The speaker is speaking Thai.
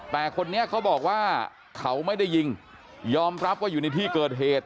แต่คนนี้เขาบอกว่าเขาไม่ได้ยิงยอมรับว่าอยู่ในที่เกิดเหตุ